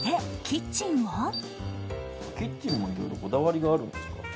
キッチンもいろいろこだわりがあるんですか？